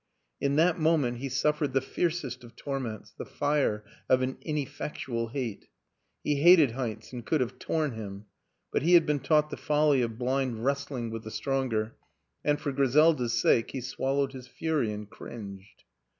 In that mo ment he suffered the fiercest of torments, the fire of an ineffectual hate. He hated Heinz and could have torn him; but he had been taught the folly of blind wrestling with the stronger and, for Griselda's sake, he swallowed his fury and cringed.